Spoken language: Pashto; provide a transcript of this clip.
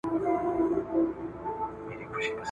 دا د استاد عبدالباري جهاني لومړی شعر دی ..